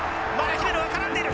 姫野が絡んでいる。